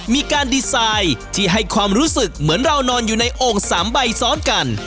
มีการดีไซน์ที่ให้ความรู้สึกเหมือนเรานอนอยู่ในโอ่ง๓ใบซ้อนกัน